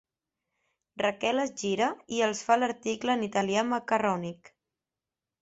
Raquel es gira i els fa l'article en italià macarrònic.